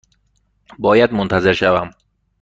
باید منتظر شوم؟